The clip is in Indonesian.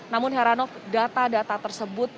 namun heranov data data tersebut